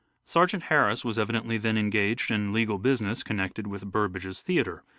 Sergeant Harris was evidently then engaged in legal business connected with Burbage's theatre.